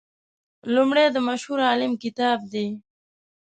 لومړی د مشهور عالم کتاب دی.